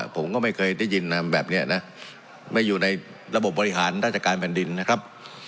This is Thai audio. ผมก็ไม่เคยได้ยินแบบนี้นะไม่อยู่ในระบบบบริหารราชการแผ่นดินนะครับ